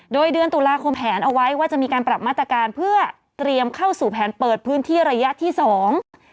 โดยเดือนตุลาคมแผนเอาไว้ว่าจะมีการปรับมาตรการเพื่อเตรียมเข้าสู่แผนเปิดพื้นที่ระยะที่สอง